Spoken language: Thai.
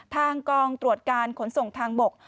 ทางกองตรวจการขนส่งทางบก